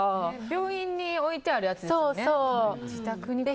病院に置いてあるやつですよね。